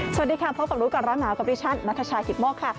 สวัสดีค่ะพบกับรู้กันร้านเหงากับดิฉันมัธชาหิตมกค่ะ